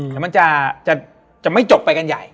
แต่มันจะไม่จบไปกันใหญ่